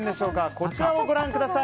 こちらをご覧ください。